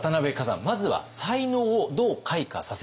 まずは才能をどう開花させたのか。